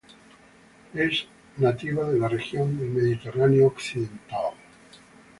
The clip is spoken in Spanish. Es nativa de la región del mediterráneo occidental.